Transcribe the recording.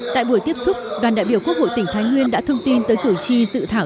tại buổi tiếp xúc đoàn đại biểu quốc hội tỉnh thái nguyên đã thông tin tới cử tri dự thảo